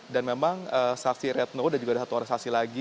dan memang saksi retno dan juga ada satu orang saksi lagi